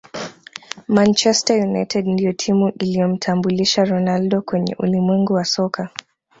manchester united ndiyo timu iliyomtambulisha ronaldo kwenye ulimwengu wa soka